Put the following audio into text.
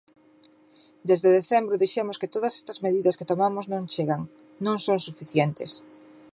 Desde decembro dixemos que todas estas medidas que tomamos non chegan, non son suficientes.